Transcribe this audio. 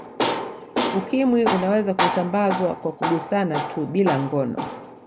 Ukimwi unaweza kusambazwa kwa kugusana tu bila ngono